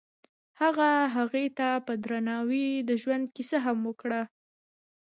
هغه هغې ته په درناوي د ژوند کیسه هم وکړه.